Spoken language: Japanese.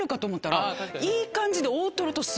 いい感じで。